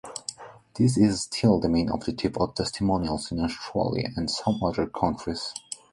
This is still the main objective of testimonials in Australia and some other countries.